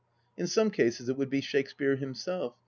In some cases it would be Shakespeare himself.